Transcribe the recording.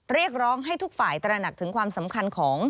เรียกร้องให้ทุกฝ่ายตระหนักถึงความสำคัญของ